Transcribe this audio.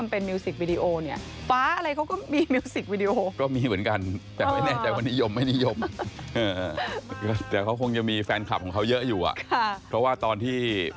โปรดติดตามตอนต่อไป